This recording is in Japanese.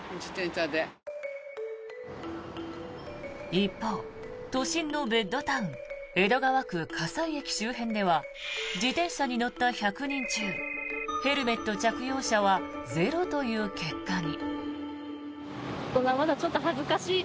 一方、都心のベッドタウン江戸川区・葛西駅周辺では自転車に乗った１００人中ヘルメット着用者はゼロという結果に。